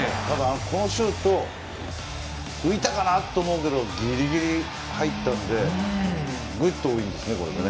このシュート浮いたかなと思うけどギリギリ入ったのでグッドウィンですね。